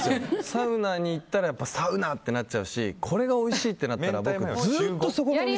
サウナに行ったらサウナってなっちゃうしこれがおいしいってなったら僕ずっとそこに。